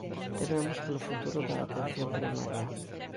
Tememos polo futuro da atención primaria.